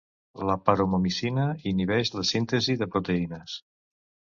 La paromomicina inhibeix la síntesi de proteïnes.